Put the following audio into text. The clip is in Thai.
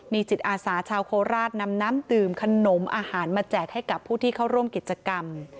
มีจิตอาสาชาวโคราชนำน้ำดื่มขนมอาหารมาแจกให้กับผู้ที่เข้าร่วมกิจกรรม